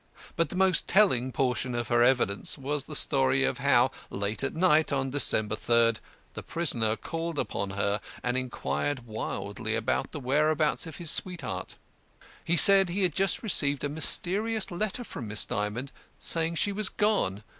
But the most telling portion of her evidence was the story of how, late at night, on December 3rd, the prisoner called upon her and inquired wildly about the whereabouts of his sweetheart. He said he had just received a mysterious letter from Miss Dymond saying she was gone.